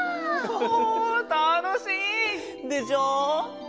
おおたのしい！でしょ！